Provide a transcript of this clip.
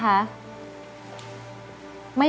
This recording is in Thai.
ขอบคุณครับ